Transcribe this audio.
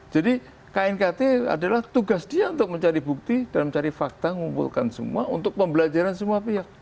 jadi knkt adalah tugas dia untuk mencari bukti dan mencari fakta ngumpulkan semua untuk pembelajaran semua pihak